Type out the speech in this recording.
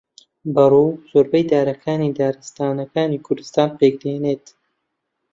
بەڕوو زۆربەی دارەکانی دارستانەکانی کوردستان پێک دێنێت